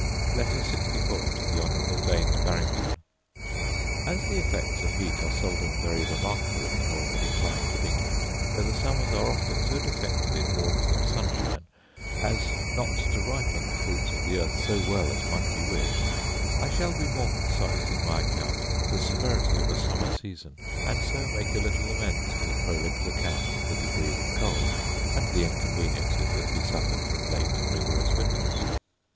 Letter LXIV To The Honourable Daines Barrington As the effects of heat are seldom very remarkable in the northerly climate of England, where the summers are often so defective in warmth and sunshine as not to ripen the fruits of the earth so well as might be wished, I shall be more concise in my account of the severity of a summer season, and so make a little amends for the prolix account of the degrees of cold, and the inconveniences that we suffered from late rigorous winters.